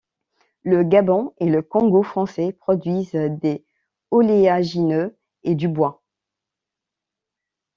Le Gabon et le Congo français produisent des oléagineux et du bois.